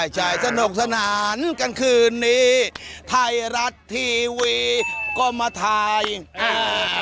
ใช่สนุกสนานกลางคืนนี้ไทยรัฐทีวีก็มาถ่ายอ่า